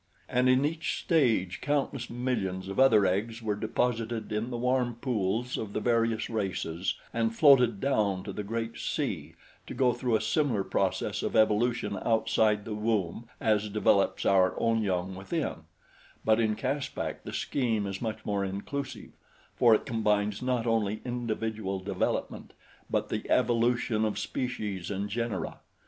And in each stage countless millions of other eggs were deposited in the warm pools of the various races and floated down to the great sea to go through a similar process of evolution outside the womb as develops our own young within; but in Caspak the scheme is much more inclusive, for it combines not only individual development but the evolution of species and genera.